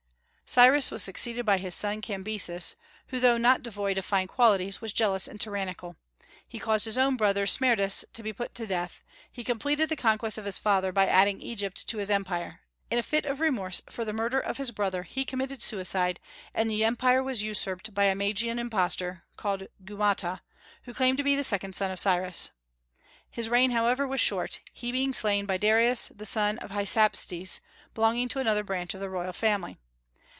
Cyrus was succeeded by his son Cambyses, who though not devoid of fine qualities was jealous and tyrannical. He caused his own brother Smerdis to be put to death. He completed the conquests of his father by adding Egypt to his empire. In a fit of remorse for the murder of his brother he committed suicide, and the empire was usurped by a Magian impostor, called Gaumata, who claimed to be the second son of Cyrus. His reign, however, was short, he being slain by Darius the son of Hystaspes, belonging to another branch of the royal family.